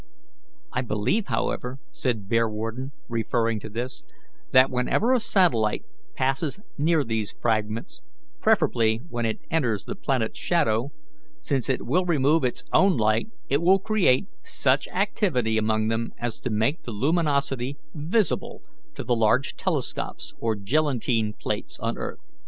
"I believe, however," said Bearwarden, referring to this, "that whenever a satellite passes near these fragments, preferably when it enters the planet's shadow, since that will remove its own light, it will create such activity among them as to make the luminosity visible to the large telescopes or gelatine plates on earth."